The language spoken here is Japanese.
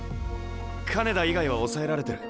金田以外は抑えられてる。